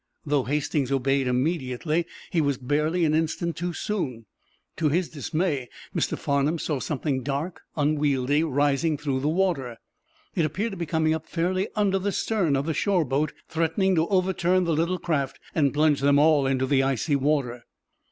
Though Hastings obeyed immediately he was barely an instant too soon. To his dismay, Mr. Farnum saw something dark, unwieldy, rising through the water. It appeared to be coming up fairly under the stern of the shore boat, threatening to overturn the little craft and plunge them all into the icy water.